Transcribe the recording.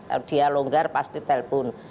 kalau dia longgar pasti telpon